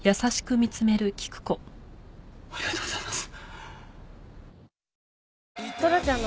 ありがとうございます。